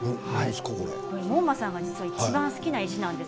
門馬さんがいちばん好きな石です。